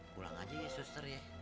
pulang aja ya suster ya